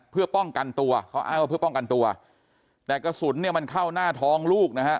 เพื่อป้องกันตัวเขาอ้างว่าเพื่อป้องกันตัวแต่กระสุนเนี่ยมันเข้าหน้าท้องลูกนะฮะ